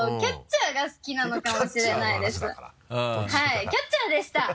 はいキャッチャーでした！